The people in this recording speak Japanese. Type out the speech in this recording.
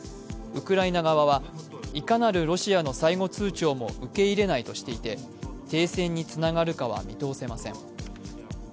ウクライナ側はいかなるロシアの最後通ちょうも受け入れないとしていて、停戦につながるかは見通せません。